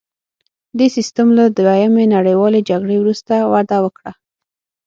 دې سیستم له دویمې نړیوالې جګړې وروسته وده وکړه